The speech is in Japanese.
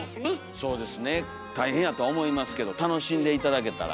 そうですね大変やとは思いますけど楽しんで頂けたら。